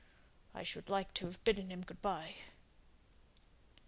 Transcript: I should like to have bidden him good by."